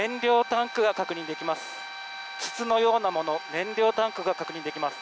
燃料タンクが確認できます。